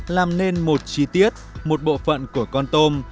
làm nên một chi tiết một bộ phận của con tôm